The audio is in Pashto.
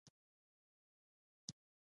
اوس به څنګه شپې ته درسم اوس به څوک درته ډېوه سي